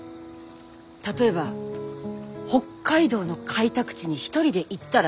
例えば「北海道の開拓地に一人で行ったら」